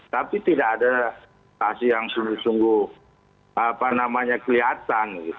tapi tidak ada yang sungguh sungguh kelihatan